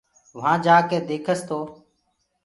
وهآنٚ جآڪي ديکس تو